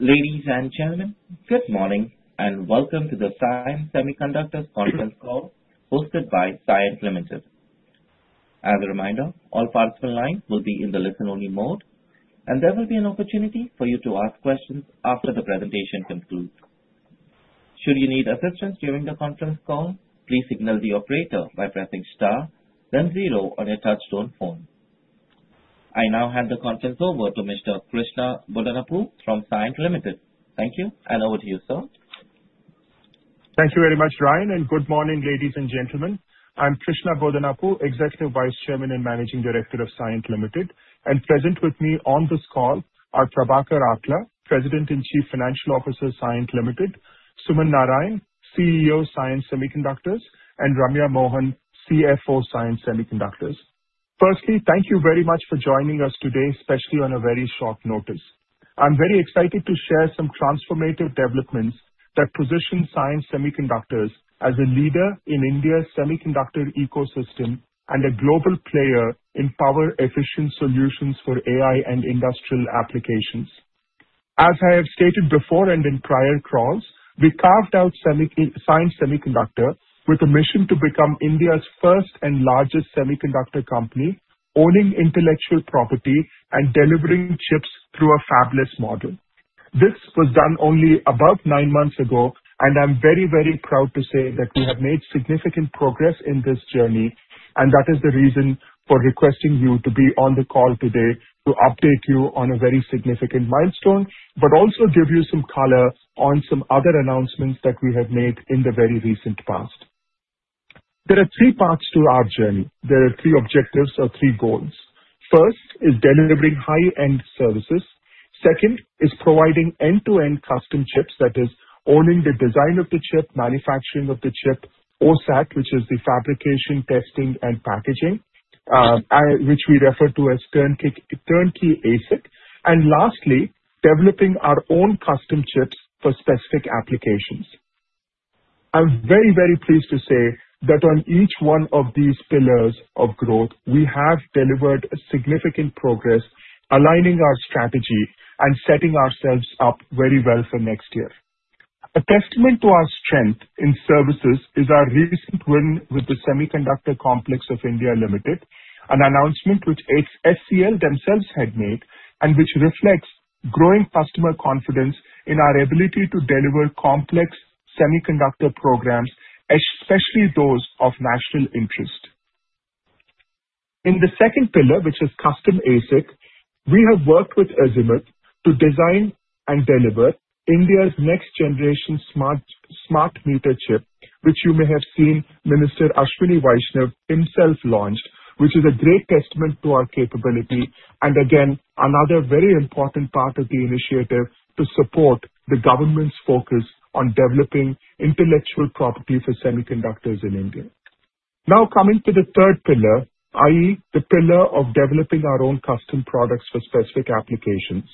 Ladies and gentlemen, good morning and welcome to the Cyient Semiconductor Conference Call hosted by Cyient Limited. As a reminder, all participant lines will be in the listen-only mode, and there will be an opportunity for you to ask questions after the presentation concludes. Should you need assistance during the conference call, please signal the operator by pressing star, then zero on your touch-tone phone. I now hand the conference over to Mr. Krishna Bodanapu from Cyient Limited. Thank you, and over to you, sir. Thank you very much, Ryan, and good morning, ladies and gentlemen. I'm Krishna Bodanapu, Executive Vice Chairman and Managing Director of Cyient Limited, and present with me on this call are Prabhakar Atla, President and Chief Financial Officer of Cyient Limited, Suman Narayan, CEO of Cyient Semiconductors, and Ramya Mohan, CFO of Cyient Semiconductors. Firstly, thank you very much for joining us today, especially on a very short notice. I'm very excited to share some transformative developments that position Cyient Semiconductors as a leader in India's semiconductor ecosystem and a global player in power-efficient solutions for AI and industrial applications. As I have stated before and in prior calls, we carved out Cyient Semiconductors with a mission to become India's first and largest semiconductor company, owning intellectual property and delivering chips through a fabless model. This was done only about nine months ago, and I'm very, very proud to say that we have made significant progress in this journey, and that is the reason for requesting you to be on the call today to update you on a very significant milestone, but also give you some color on some other announcements that we have made in the very recent past. There are three parts to our journey. There are three objectives or three goals. First is delivering high-end services. Second is providing end-to-end custom chips, that is, owning the design of the chip, manufacturing of the chip, OSAT, which is the fabrication, testing, and packaging, which we refer to as turnkey ASIC, and lastly, developing our own custom chips for specific applications. I'm very, very pleased to say that on each one of these pillars of growth, we have delivered significant progress, aligning our strategy and setting ourselves up very well for next year. A testament to our strength in services is our recent win with the Semiconductor Complex of India Limited, an announcement which SCL themselves had made and which reflects growing customer confidence in our ability to deliver complex semiconductor programs, especially those of national interest. In the second pillar, which is custom ASIC, we have worked with Azimuth to design and deliver India's next-generation smart meter chip, which you may have seen Minister Ashwini Vaishnaw himself launch, which is a great testament to our capability and, again, another very important part of the initiative to support the government's focus on developing intellectual property for semiconductors in India. Now coming to the third pillar, i.e., the pillar of developing our own custom products for specific applications.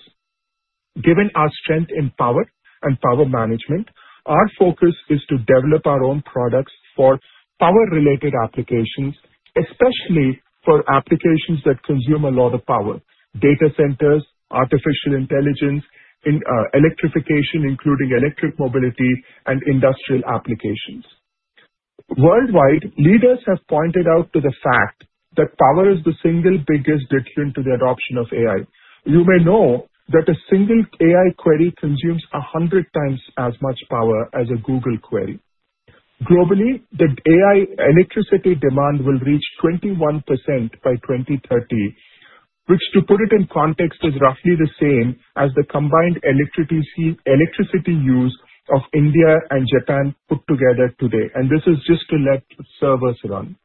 Given our strength in power and power management, our focus is to develop our own products for power-related applications, especially for applications that consume a lot of power: data centers, artificial intelligence, electrification, including electric mobility and industrial applications. Worldwide, leaders have pointed out the fact that power is the single biggest detriment to the adoption of AI. You may know that a single AI query consumes 100x as much power as a Google query. Globally, the AI electricity demand will reach 21% by 2030, which, to put it in context, is roughly the same as the combined electricity use of India and Japan put together today, and this is just to let servers run.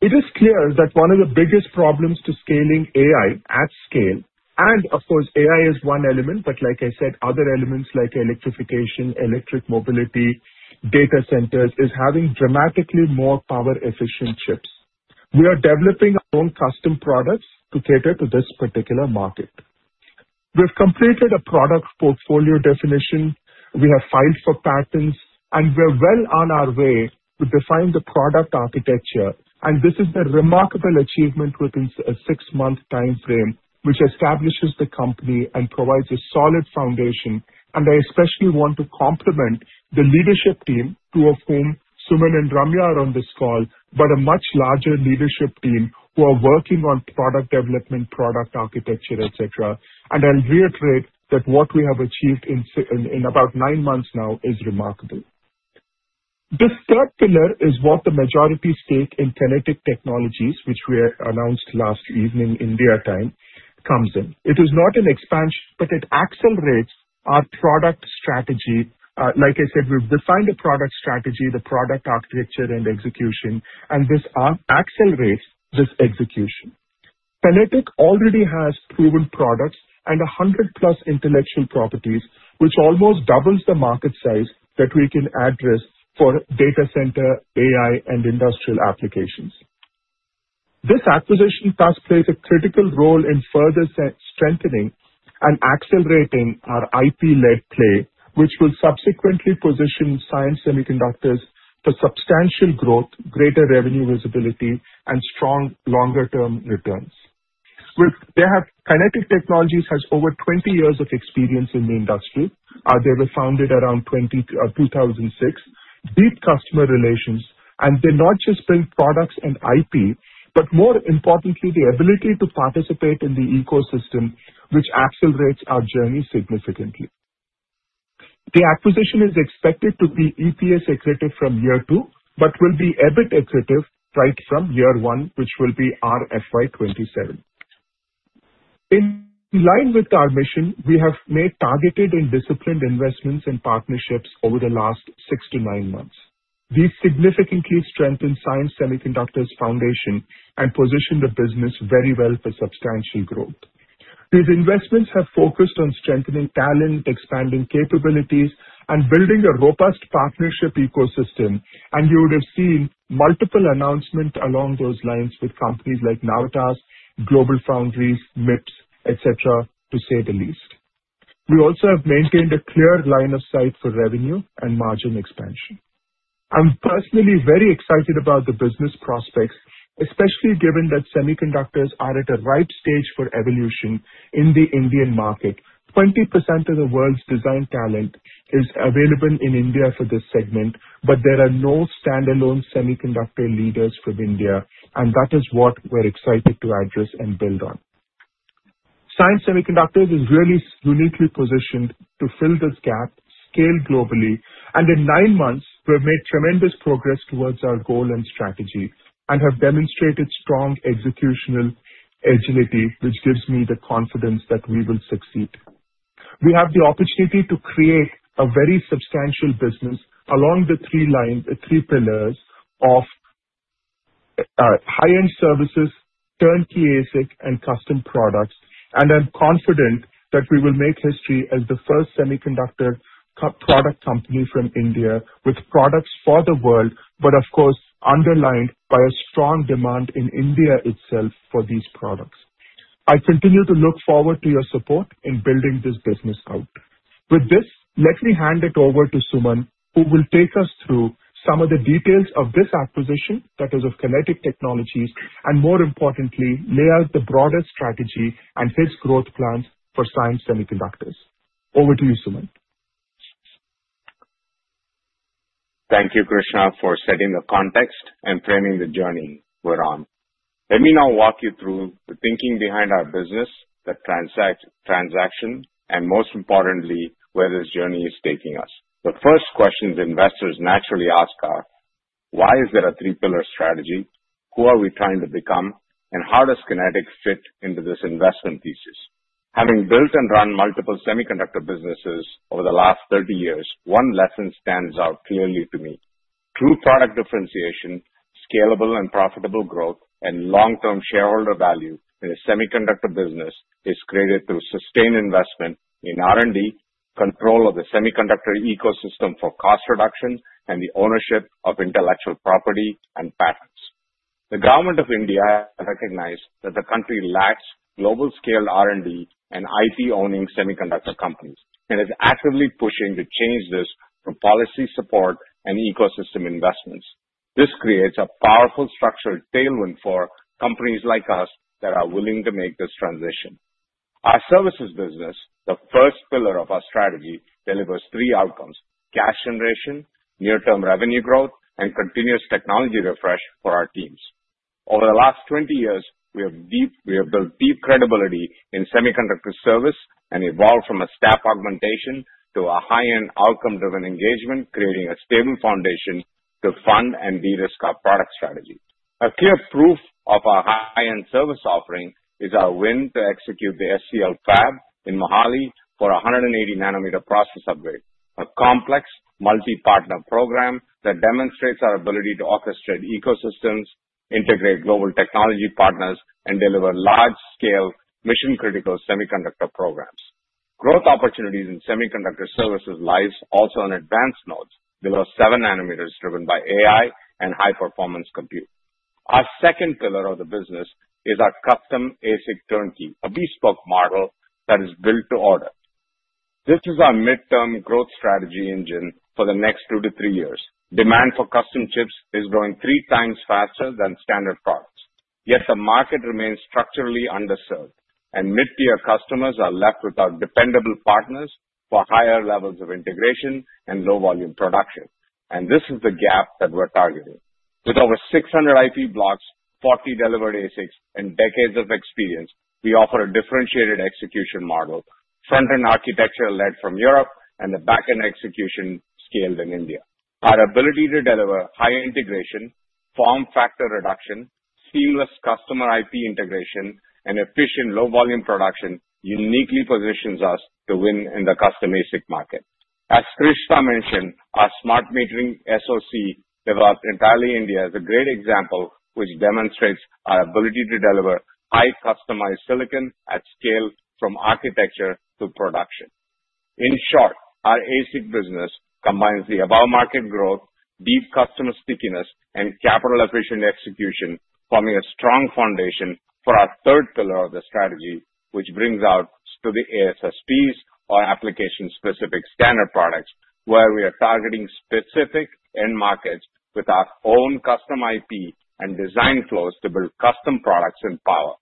It is clear that one of the biggest problems to scaling AI at scale, and of course, AI is one element, but like I said, other elements like electrification, electric mobility, data centers, is having dramatically more power-efficient chips. We are developing our own custom products to cater to this particular market. We have completed a product portfolio definition, we have filed for patents, and we are well on our way to define the product architecture, and this is a remarkable achievement within a six-month timeframe, which establishes the company and provides a solid foundation. I especially want to compliment the leadership team, two of whom Suman and Ramya are on this call, but a much larger leadership team who are working on product development, product architecture, etc., and I'll reiterate that what we have achieved in about nine months now is remarkable. The third pillar is what the majority stake in Kinetic Technologies, which we announced last evening India time, comes in. It is not an expansion, but it accelerates our product strategy. Like I said, we've defined a product strategy, the product architecture, and execution, and this accelerates this execution. Kinetic already has proven products and 100+ intellectual properties, which almost doubles the market size that we can address for data center, AI, and industrial applications. This acquisition thus plays a critical role in further strengthening and accelerating our IP-led play, which will subsequently position Cyient Semiconductors for substantial growth, greater revenue visibility, and strong longer-term returns. Kinetic Technologies has over 20 years of experience in the industry. They were founded around 2006. Deep customer relations, and they not just bring products and IP, but more importantly, the ability to participate in the ecosystem, which accelerates our journey significantly. The acquisition is expected to be EPS accretive from year two, but will be EBIT accretive right from year one, which will be FY 2027. In line with our mission, we have made targeted and disciplined investments and partnerships over the last six to nine months. These significantly strengthen Cyient Semiconductors' foundation and position the business very well for substantial growth. These investments have focused on strengthening talent, expanding capabilities, and building a robust partnership ecosystem, and you would have seen multiple announcements along those lines with companies like Navitas, GlobalFoundries, MIPS, etc., to say the least. We also have maintained a clear line of sight for revenue and margin expansion. I'm personally very excited about the business prospects, especially given that semiconductors are at a ripe stage for evolution in the Indian market. 20% of the world's design talent is available in India for this segment, but there are no standalone semiconductor leaders from India, and that is what we're excited to address and build on. Cyient Semiconductors is really uniquely positioned to fill this gap, scale globally, and in nine months, we have made tremendous progress towards our goal and strategy and have demonstrated strong execution agility, which gives me the confidence that we will succeed. We have the opportunity to create a very substantial business along the three pillars of high-end services, turnkey ASIC, and custom products, and I'm confident that we will make history as the first semiconductor product company from India with products for the world, but of course, underlined by a strong demand in India itself for these products. I continue to look forward to your support in building this business out. With this, let me hand it over to Suman, who will take us through some of the details of this acquisition, that is, of Kinetic Technologies, and more importantly, lay out the broader strategy and his growth plans for Cyient Semiconductors. Over to you, Suman. Thank you, Krishna, for setting the context and framing the journey we're on. Let me now walk you through the thinking behind our business, the transaction, and most importantly, where this journey is taking us. The first questions investors naturally ask are: Why is there a three-pillar strategy? Who are we trying to become? And how does Kinetic fit into this investment thesis? Having built and run multiple semiconductor businesses over the last 30 years, one lesson stands out clearly to me: true product differentiation, scalable and profitable growth, and long-term shareholder value in a semiconductor business is created through sustained investment in R&D, control of the semiconductor ecosystem for cost reduction, and the ownership of intellectual property and patents. The government of India recognized that the country lacks global-scale R&D and IP-owning semiconductor companies and is actively pushing to change this from policy support and ecosystem investments. This creates a powerful structural tailwind for companies like us that are willing to make this transition. Our services business, the first pillar of our strategy, delivers three outcomes: cash generation, near-term revenue growth, and continuous technology refresh for our teams. Over the last 20 years, we have built deep credibility in semiconductor service and evolved from a staff augmentation to a high-end outcome-driven engagement, creating a stable foundation to fund and de-risk our product strategy. A clear proof of our high-end service offering is our win to execute the SCL fab in Mohali for a 180-nanometer process upgrade, a complex multi-partner program that demonstrates our ability to orchestrate ecosystems, integrate global technology partners, and deliver large-scale, mission-critical semiconductor programs. Growth opportunities in semiconductor services lies also on advanced nodes, below seven nanometers, driven by AI and high-performance compute. Our second pillar of the business is our custom ASIC turnkey, a bespoke model that is built to order. This is our midterm growth strategy engine for the next two to three years. Demand for custom chips is growing three times faster than standard products, yet the market remains structurally underserved, and mid-tier customers are left without dependable partners for higher levels of integration and low-volume production, and this is the gap that we're targeting. With over 600 IP blocks, 40 delivered ASICs, and decades of experience, we offer a differentiated execution model: front-end architecture led from Europe and the back-end execution scaled in India. Our ability to deliver high integration, form factor reduction, seamless customer IP integration, and efficient low-volume production uniquely positions us to win in the custom ASIC market. As Krishna mentioned, our smart metering SoC, developed entirely in India, is a great example which demonstrates our ability to deliver highly customized silicon at scale from architecture to production. In short, our ASIC business combines the above-market growth, deep customer stickiness, and capital-efficient execution, forming a strong foundation for our third pillar of the strategy, which brings out to the ASSPs or application-specific standard products, where we are targeting specific end markets with our own custom IP and design flows to build custom products and power.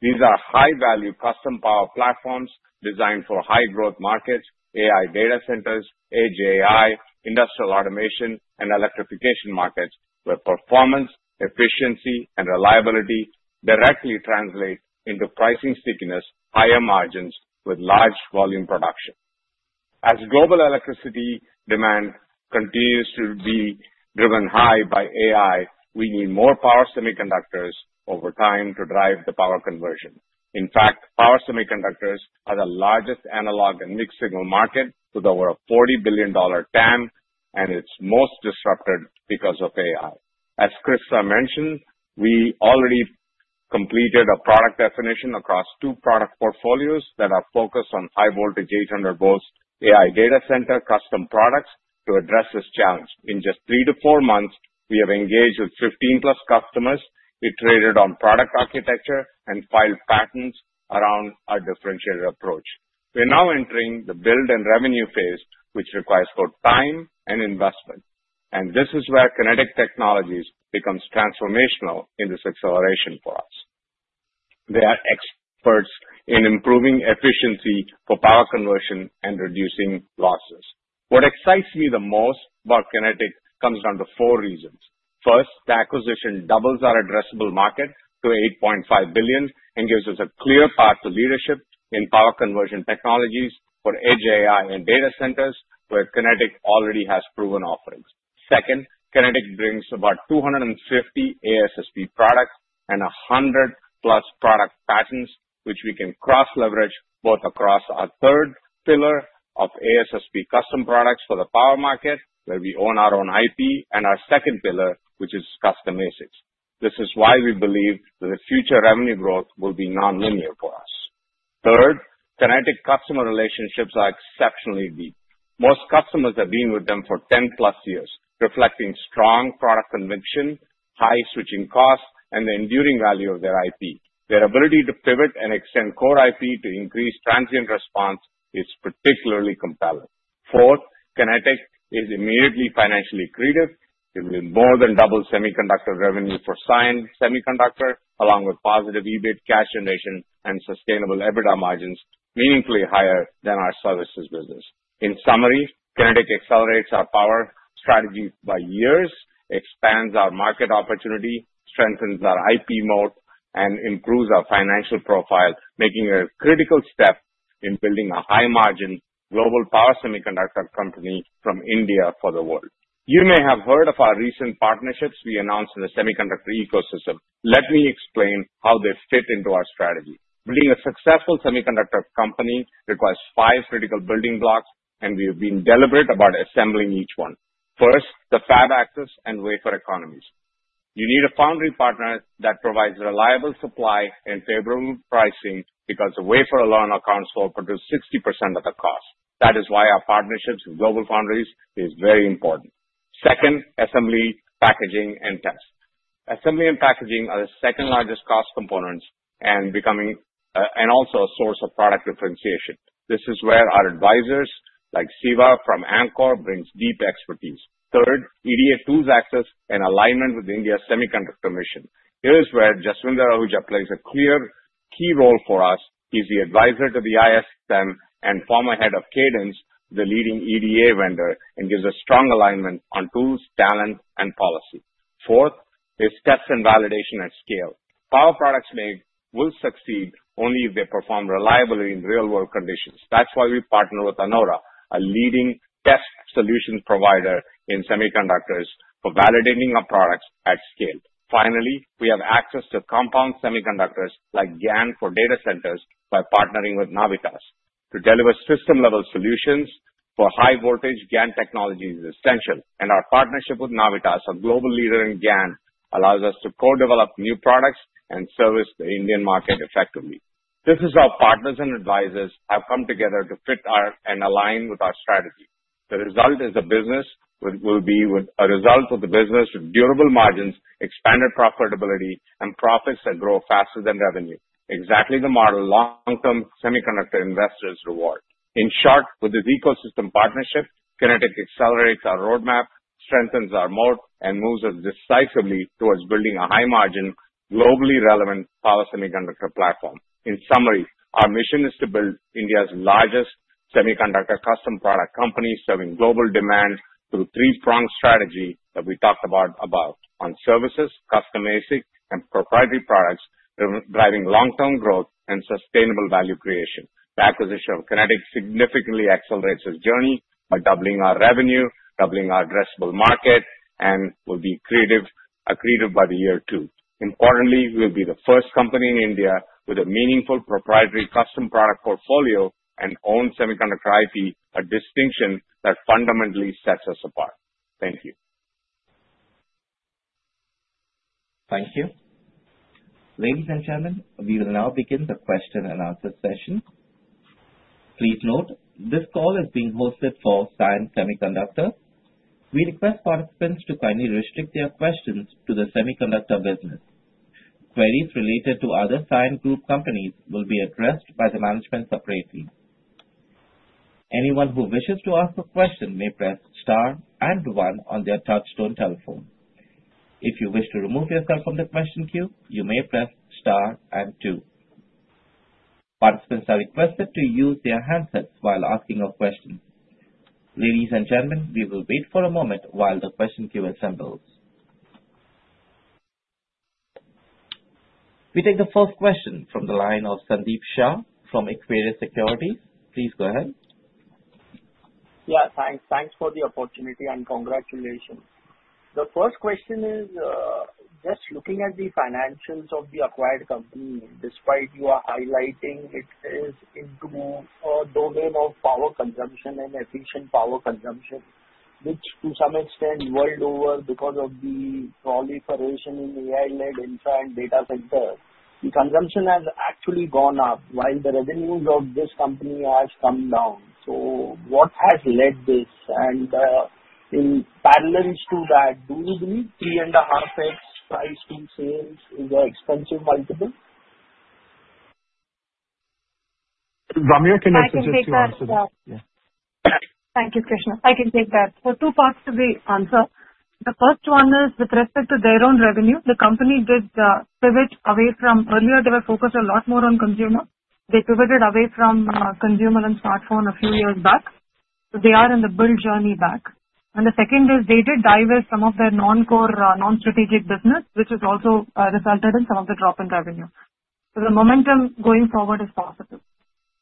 These are high-value custom power platforms designed for high-growth markets, AI data centers, edge AI, industrial automation, and electrification markets, where performance, efficiency, and reliability directly translate into pricing stickiness, higher margins with large volume production. As global electricity demand continues to be driven high by AI, we need more power semiconductors over time to drive the power conversion. In fact, power semiconductors are the largest analog and mixed-signal market with over a $40 billion TAM, and it's most disrupted because of AI. As Krishna mentioned, we already completed a product definition across two product portfolios that are focused on high-voltage 800 V AI data center custom products to address this challenge. In just three to four months, we have engaged with 15+ customers, iterated on product architecture, and filed patents around our differentiated approach. We're now entering the build and revenue phase, which requires both time and investment, and this is where Kinetic Technologies becomes transformational in this acceleration for us. They are experts in improving efficiency for power conversion and reducing losses. What excites me the most about Kinetic comes down to four reasons. First, the acquisition doubles our addressable market to $8.5 billion and gives us a clear path to leadership in power conversion technologies for edge AI and data centers, where Kinetic already has proven offerings. Second, Kinetic brings about 250 ASSP products and 100+ product patents, which we can cross-leverage both across our third pillar of ASSP custom products for the power market, where we own our own IP, and our second pillar, which is custom ASICs. This is why we believe that the future revenue growth will be non-linear for us. Third, Kinetic customer relationships are exceptionally deep. Most customers have been with them for 10+ years, reflecting strong product conviction, high switching costs, and the enduring value of their IP. Their ability to pivot and extend core IP to increase transient response is particularly compelling. Fourth, Kinetic is immediately financial accretive. It will more than double semiconductor revenue for Cyient Semiconductors, along with positive EBIT, cash generation, and sustainable EBITDA margins meaningfully higher than our services business. In summary, Kinetic accelerates our power strategy by years, expands our market opportunity, strengthens our IP moat, and improves our financial profile, making a critical step in building a high-margin global power semiconductor company from India for the world. You may have heard of our recent partnerships we announced in the semiconductor ecosystem. Let me explain how they fit into our strategy. Building a successful semiconductor company requires five critical building blocks, and we have been deliberate about assembling each one. First, the fab access and wafer economies. You need a foundry partner that provides reliable supply and favorable pricing because the wafer alone accounts for up to 60% of the cost. That is why our partnerships with global foundries is very important. Second, assembly, packaging, and test. Assembly and packaging are the second largest cost components and also a source of product differentiation. This is where our advisors like Siva from Amkor bring deep expertise. Third, EDA tools access and alignment with India's semiconductor mission. Here is where Jaswinder Ahuja plays a clear key role for us. He's the advisor to the ISM and former head of Cadence, the leading EDA vendor, and gives a strong alignment on tools, talent, and policy. Fourth is test and validation at scale. Power products made will succeed only if they perform reliably in real-world conditions. That's why we partner with Anora, a leading test solution provider in semiconductors for validating our products at scale. Finally, we have access to compound semiconductors like GaN for data centers by partnering with Navitas to deliver system-level solutions for high-voltage GaN technologies. This is essential, and our partnership with Navitas, a global leader in GaN, allows us to co-develop new products and service the Indian market effectively. This is how partners and advisors have come together to fit and align with our strategy. The result is a business that will be a result of the business with durable margins, expanded profitability, and profits that grow faster than revenue. Exactly the model long-term semiconductor investors reward. In short, with this ecosystem partnership, Kinetic accelerates our roadmap, strengthens our moat, and moves us decisively towards building a high-margin, globally relevant power semiconductor platform. In summary, our mission is to build India's largest semiconductor custom product company, serving global demand through a three-pronged strategy that we talked about on services, custom ASIC, and proprietary products, driving long-term growth and sustainable value creation. The acquisition of Kinetic significantly accelerates this journey by doubling our revenue, doubling our addressable market, and will be EPS accretive by the year two. Importantly, we'll be the first company in India with a meaningful proprietary custom product portfolio and own semiconductor IP, a distinction that fundamentally sets us apart. Thank you. Thank you. Ladies and gentlemen, we will now begin the question and answer session. Please note, this call is being hosted for Cyient Semiconductors. We request participants to kindly restrict their questions to the semiconductor business. Queries related to other Cyient group companies will be addressed by the management separately. Anyone who wishes to ask a question may press star and one on their touch-tone telephone. If you wish to remove yourself from the question queue, you may press star and two. Participants are requested to use their handsets while asking a question. Ladies and gentlemen, we will wait for a moment while the question queue assembles. We take the first question from the line of Sandeep Shah from Equirius Securities. Please go ahead. Yeah, thanks. Thanks for the opportunity and congratulations. The first question is, just looking at the financials of the acquired company, despite you are highlighting it is into a domain of power consumption and efficient power consumption, which to some extent world over because of the proliferation in AI-led infra and data center, the consumption has actually gone up while the revenues of this company have come down. What has led this? And in parallel to that, do you believe 3.5x price to sales is an expensive multiple? Ramya, can I suggest you answer that? Thank you, Krishna. I can take that. So two parts to the answer. The first one is with respect to their own revenue, the company did pivot away from earlier, they were focused a lot more on consumer. They pivoted away from consumer and smartphone a few years back. So they are in the build journey back. And the second is they did divest some of their non-core, non-strategic business, which has also resulted in some of the drop in revenue. So the momentum going forward is possible.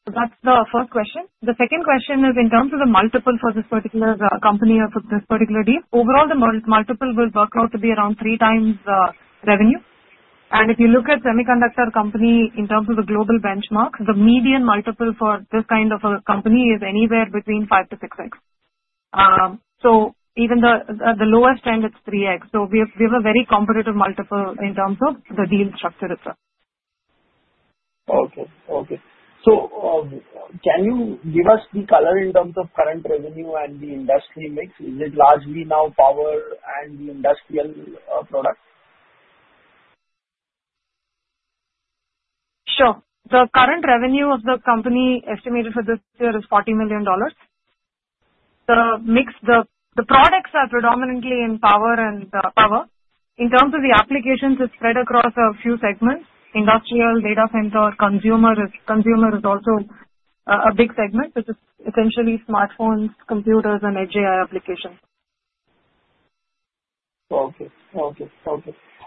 So that's the first question. The second question is in terms of the multiple for this particular company or for this particular deal, overall the multiple will work out to be around three times revenue. And if you look at semiconductor company in terms of the global benchmarks, the median multiple for this kind of a company is anywhere between 5x-6x. So even the lowest end, it's 3x. So we have a very competitive multiple in terms of the deal structure itself. So can you give us the color in terms of current revenue and the industry mix? Is it largely now power and the industrial product? Sure. The current revenue of the company estimated for this year is $40 million. The products are predominantly in power. In terms of the applications, it's spread across a few segments: industrial, data center, consumer. Consumer is also a big segment, which is essentially smartphones, computers, and edge AI applications.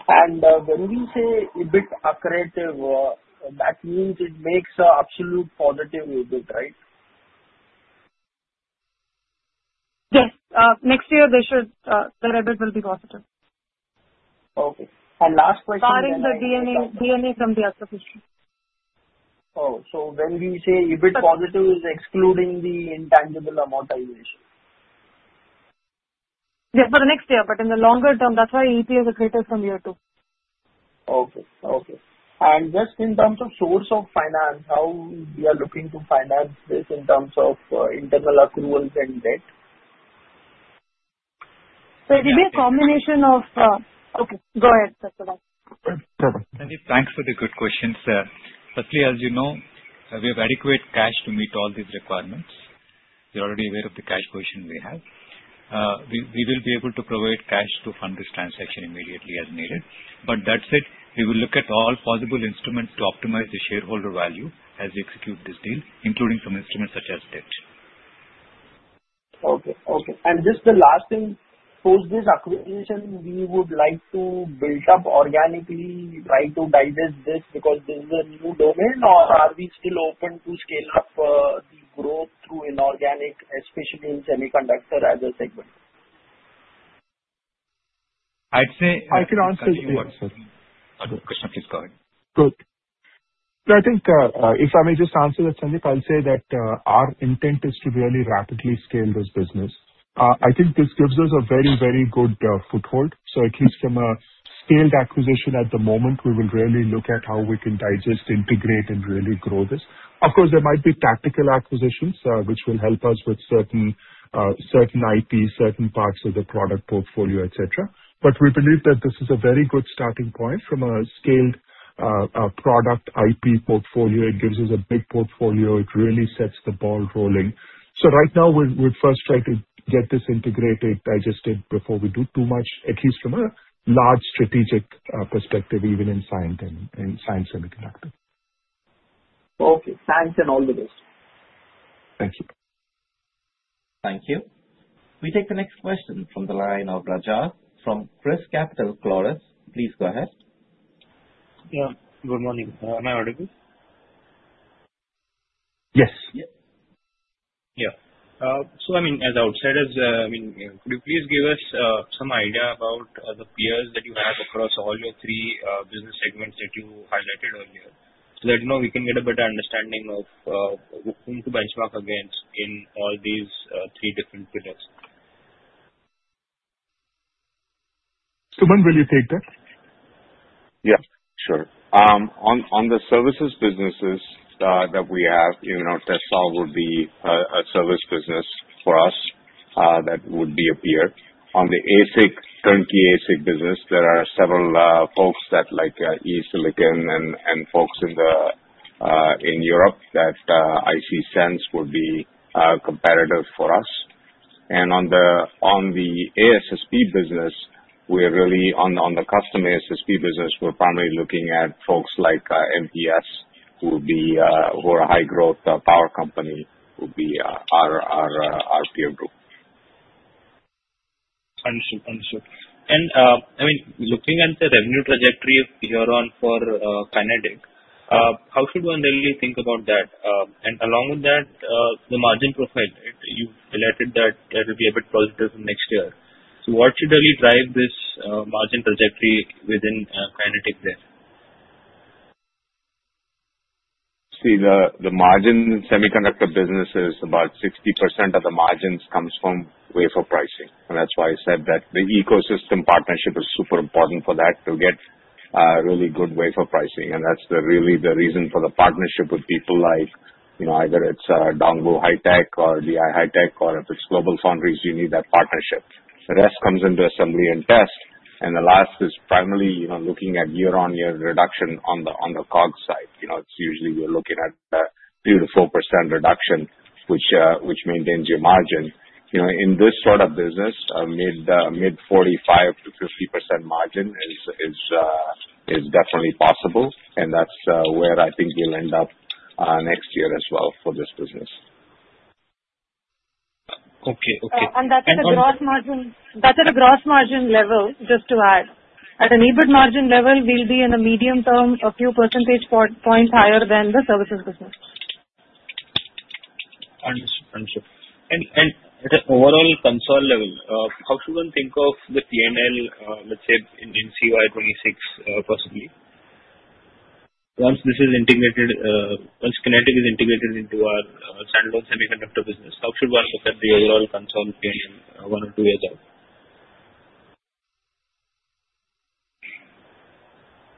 And when we say EBIT accretive, that means it makes an absolute positive EBIT, right? Yes. Next year, the EBIT will be positive. Okay, and last question. Starting the DNA from the acquisition. Oh, so when we say EBIT positive is excluding the intangible amount of valuation. Yes, for the next year, but in the longer term, that's why EPS is accurate from year two. Okay. And just in terms of source of finance, how we are looking to finance this in terms of internal accruals and debt? It will be a combination of. Okay. Go ahead, Prabhakar. Thank you. Thanks for the good questions. Firstly, as you know, we have adequate cash to meet all these requirements. You're already aware of the cash position we have. We will be able to provide cash to fund this transaction immediately as needed. But that said, we will look at all possible instruments to optimize the shareholder value as we execute this deal, including some instruments such as debt. Okay. Okay. And just the last thing, for this acquisition, we would like to build up organically, try to develop this because this is a new domain, or are we still open to scale up the growth through inorganic, especially in semiconductor as a segment? I'd say. I can answer you. If I may just answer that, Sandeep, I'll say that our intent is to really rapidly scale this business. I think this gives us a very, very good foothold. So at least from a scaled acquisition at the moment, we will really look at how we can digest, integrate, and really grow this. Of course, there might be tactical acquisitions which will help us with certain IPs, certain parts of the product portfolio, etc. But we believe that this is a very good starting point from a scaled product IP portfolio. It gives us a big portfolio. It really sets the ball rolling. So right now, we'll first try to get this integrated, digested before we do too much, at least from a large strategic perspective, even in Cyient and Cyient Semiconductors. Okay. Thanks and all the rest. Thank you. Thank you. We take the next question from the line of Raja from ChrysCapital. Please go ahead. Yeah. Good morning. Am I audible? Yes. Yeah. So I mean, as I would say this, I mean, could you please give us some idea about the peers that you have across all your three business segments that you highlighted earlier so that we can get a better understanding of whom to benchmark against in all these three different pillars? Suman, will you take that? Yeah. Sure. On the services businesses that we have, Tessolve would be a service business for us that would be a peer. On the current ASIC business, there are several folks that like eSilicon and folks in Europe that I see Cyient would be competitive for us. And on the ASSP business, we are really on the custom ASSP business, we're primarily looking at folks like MPS, who are a high-growth power company, would be our peer group. Understood. Understood. And I mean, looking at the revenue trajectory here on for Kinetic, how should one really think about that? And along with that, the margin profile, you've stated that it will be a bit positive next year. So what should really drive this margin trajectory within Kinetic there? See, the margin semiconductor business is about 60% of the margins comes from wafer pricing. And that's why I said that the ecosystem partnership is super important for that to get really good wafer pricing. And that's really the reason for the partnership with people like either it's Dongbu HiTek or DB HiTek, or if it's GlobalFoundries, you need that partnership. The rest comes into assembly and test. And the last is primarily looking at year-on-year reduction on the COG side. It's usually we're looking at 3%-4% reduction, which maintains your margin. In this sort of business, mid 45%-50% margin is definitely possible. And that's where I think we'll end up next year as well for this business. Okay. Okay. That's at a gross margin level, just to add. At an EBIT margin level, we'll be in the medium term, a few percentage points higher than the services business. Understood. Understood. And at an overall consolidated level, how should one think of the P&L, let's say in 2026 possibly? Once this is integrated, once Kinetic is integrated into our standalone semiconductor business, how should one look at the overall consolidated P&L one or two years out?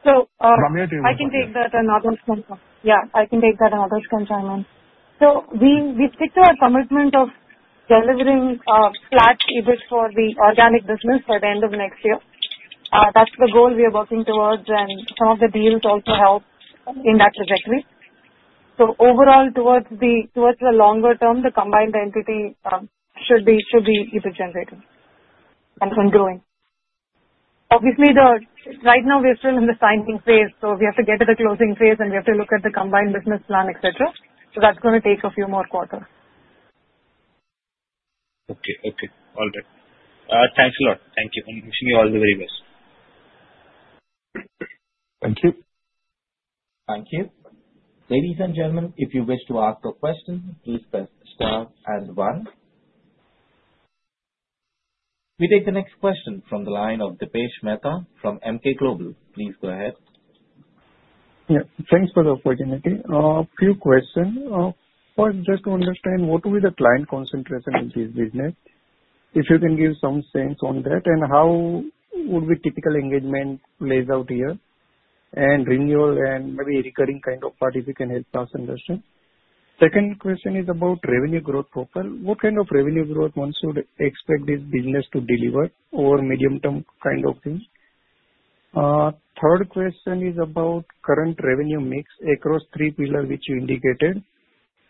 Sure. Ramya, do you want to? I can take that and others can come. Yeah, I can take that and others can chime in. So we stick to our commitment of delivering flat EBIT for the organic business by the end of next year. That's the goal we are working towards, and some of the deals also help in that trajectory. So overall, towards the longer term, the combined entity should be EBIT generating and growing. Obviously, right now, we're still in the signing phase, so we have to get to the closing phase, and we have to look at the combined business plan, etc. So that's going to take a few more quarters. Okay. Okay. All right. Thanks a lot. Thank you. And wishing you all the very best. Thank you. Thank you. Ladies and gentlemen, if you wish to ask a question, please press star and one. We take the next question from the line of Dipesh Mehta from Emkay Global. Please go ahead. Yeah. Thanks for the opportunity. A few questions. First, just to understand what will be the client concentration in this business, if you can give some sense on that, and how would be typical engagement lays out here and renewal and maybe recurring kind of part if you can help us understand. Second question is about revenue growth profile. What kind of revenue growth one should expect this business to deliver over medium-term kind of things? Third question is about current revenue mix across three pillars which you indicated.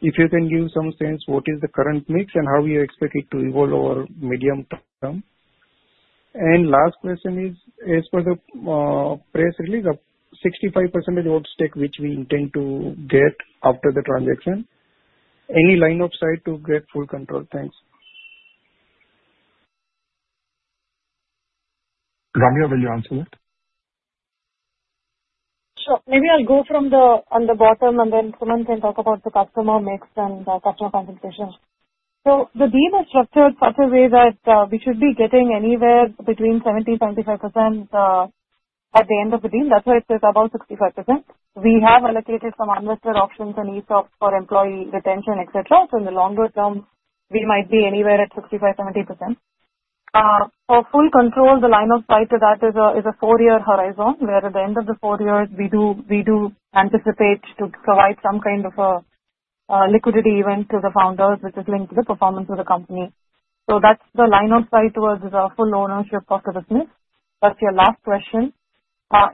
If you can give some sense, what is the current mix and how you expect it to evolve over medium term? And last question is, as per the press release, a 65% of the old stake which we intend to get after the transaction. Any line of sight to get full control? Thanks. Ramya, will you answer that? Sure. Maybe I'll go from the bottom, and then Suman can talk about the customer mix and customer consultation. So the deal is structured such a way that we should be getting anywhere between 70%-75% at the end of the deal. That's why it says above 65%. We have allocated some unlisted options and ESOPs for employee retention, etc. So in the longer term, we might be anywhere at 65%-70%. For full control, the line of sight to that is a four-year horizon, where at the end of the four years, we do anticipate to provide some kind of a liquidity event to the founders, which is linked to the performance of the company. So that's the line of sight towards full ownership of the business. That's your last question.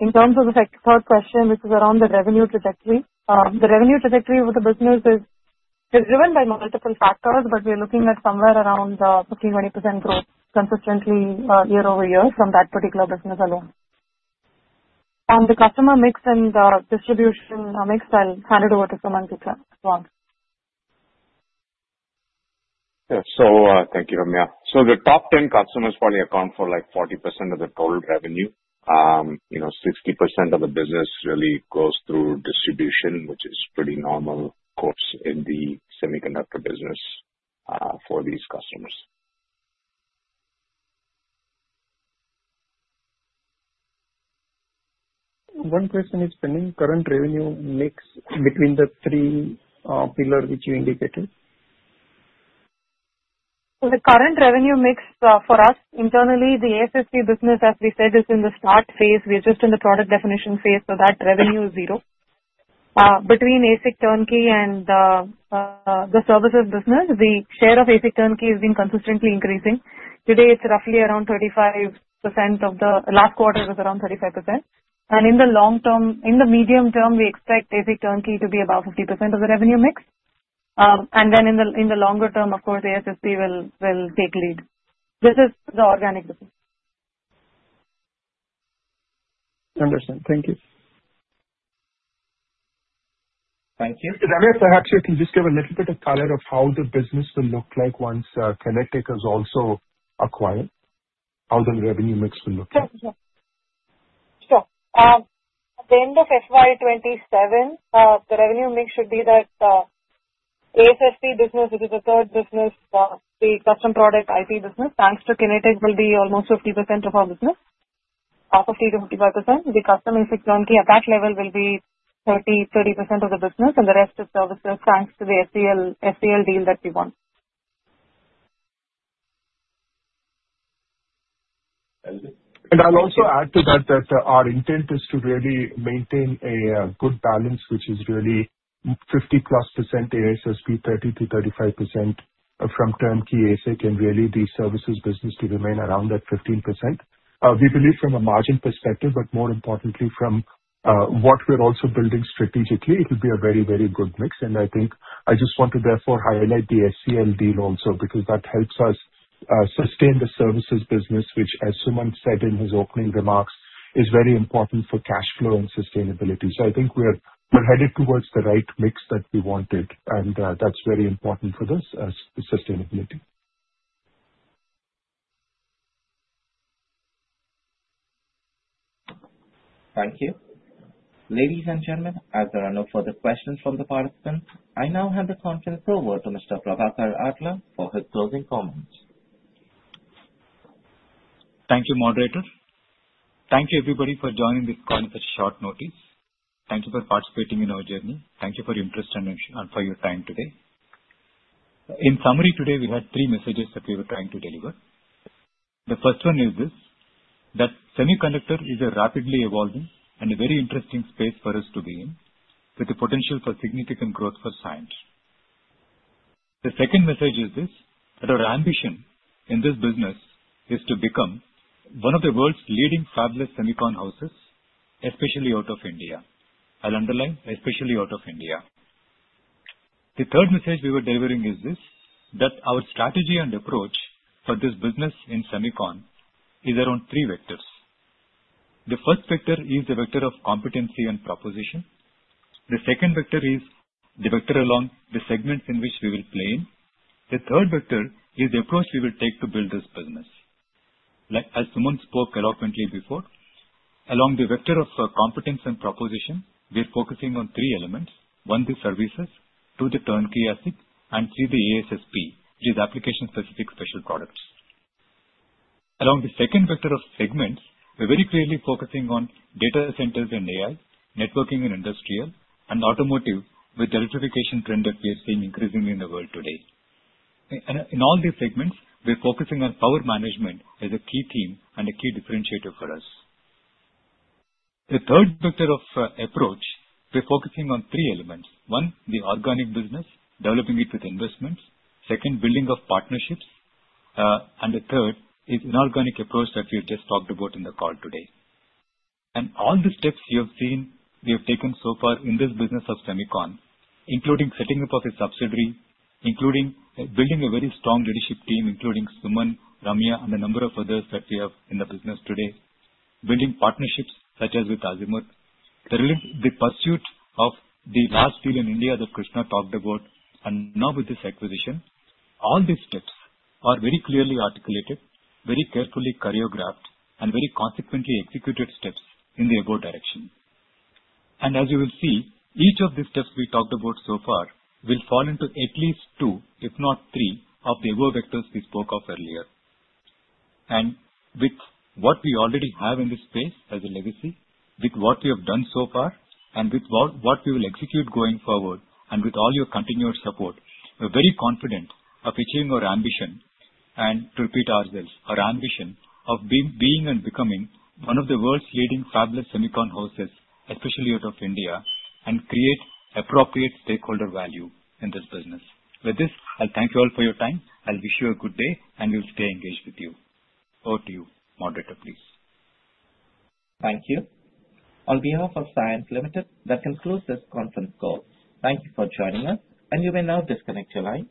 In terms of the third question, which is around the revenue trajectory, the revenue trajectory of the business is driven by multiple factors, but we're looking at somewhere around 15%-20% growth consistently year-over-year from that particular business alone, and the customer mix and the distribution mix, I'll hand it over to Suman. Yeah. So thank you, Ramya. So the top 10 customers probably account for like 40% of the total revenue. 60% of the business really goes through distribution, which is pretty normal course in the semiconductor business for these customers. One question is pending. Current revenue mix between the three pillars which you indicated? So the current revenue mix for us internally, the ASSP business, as we said, is in the start phase. We're just in the product definition phase, so that revenue is 0%. Between ASIC turnkey and the services business, the share of ASIC turnkey has been consistently increasing. Today, it's roughly around 35% of the last quarter was around 35%. And in the long term, in the medium term, we expect ASIC turnkey to be about 50% of the revenue mix. And then in the longer term, of course, ASSP will take lead. This is the organic business. Understood. Thank you. Ramya, perhaps you can just give a little bit of color of how the business will look like once Kinetic is also acquired, how the revenue mix will look like. Sure. Sure. At the end of FY 2027, the revenue mix should be that ASSP business, which is the third business, the custom product IP business, thanks to Kinetic, will be almost 50% of our business, 50%-55%. The custom ASIC turnkey at that level will be 30% of the business, and the rest is services thanks to the SCL deal that we want. And I'll also add to that that our intent is to really maintain a good balance, which is really 50%+ ASSP, 30%-35% from turnkey ASIC, and really the services business to remain around that 15%. We believe from a margin perspective, but more importantly, from what we're also building strategically, it will be a very, very good mix. And I think I just want to therefore highlight the SCL deal also because that helps us sustain the services business, which, as Suman said in his opening remarks, is very important for cash flow and sustainability. So I think we're headed towards the right mix that we wanted, and that's very important for this sustainability. Thank you. Ladies and gentlemen, as there are no further questions from the participants, I now hand the conference over to Mr. Prabhakar Atla for his closing comments. Thank you, moderator. Thank you, everybody, for joining this call on such short notice. Thank you for participating in our journey. Thank you for your interest and for your time today. In summary, today, we had three messages that we were trying to deliver. The first one is this: that semiconductor is a rapidly evolving and a very interesting space for us to be in, with the potential for significant growth for Cyient. The second message is this: that our ambition in this business is to become one of the world's leading fabless semiconductor houses, especially out of India. I'll underline, especially out of India. The third message we were delivering is this: that our strategy and approach for this business in semiconductor is around three vectors. The first vector is the vector of competency and proposition. The second vector is the vector along the segments in which we will play in. The third vector is the approach we will take to build this business. As Suman spoke eloquently before, along the vector of competence and proposition, we are focusing on three elements: one, the services; two, the turnkey ASIC; and three, the ASSP, which is application-specific standard products. Along the second vector of segments, we're very clearly focusing on data centers and AI, networking and industrial, and automotive, with the electrification trend that we are seeing increasingly in the world today. In all these segments, we're focusing on power management as a key theme and a key differentiator for us. The third vector of approach, we're focusing on three elements: one, the organic business, developing it with investments; second, building of partnerships; and the third is inorganic approach that we have just talked about in the call today, and all the steps you have seen we have taken so far in this business of semiconductor, including setting up of a subsidiary, including building a very strong leadership team, including Suman, Ramya, and a number of others that we have in the business today, building partnerships such as with Azimuth, the pursuit of the last deal in India that Krishna talked about, and now with this acquisition, all these steps are very clearly articulated, very carefully choreographed, and very consequently executed steps in the above direction. As you will see, each of the steps we talked about so far will fall into at least two, if not three, of the above vectors we spoke of earlier. And with what we already have in this space as a legacy, with what we have done so far, and with what we will execute going forward, and with all your continued support, we're very confident of achieving our ambition, and to repeat ourselves, our ambition of being and becoming one of the world's leading fabless semiconductor houses, especially out of India, and create appropriate stakeholder value in this business. With this, I'll thank you all for your time. I'll wish you a good day, and we'll stay engaged with you. Over to you, moderator, please. Thank you. On behalf of Cyient Limited, that concludes this conference call. Thank you for joining us, and you may now disconnect your line.